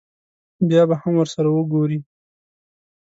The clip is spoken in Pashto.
بیا به هم ورسره وګوري.